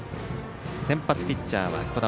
先発ピッチャーは小玉。